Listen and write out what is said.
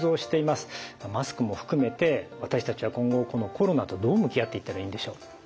マスクも含めて私たちは今後このコロナとどう向き合っていったらいいんでしょう？